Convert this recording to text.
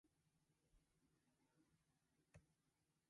日本語を読み書きするのは難しい